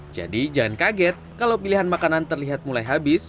jangan kaget kalau pilihan makanan terlihat mulai habis